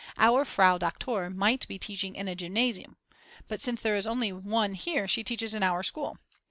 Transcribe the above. Our Frau Doktor might be teaching in a Gymnasium, but since there is only one here she teaches in our school.